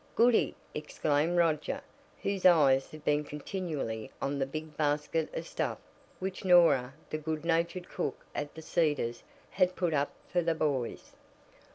"Goody!" exclaimed Roger, whose eyes had been continually on the big basket of stuff which Norah, the good natured cook at The Cedars, had put up for the boys.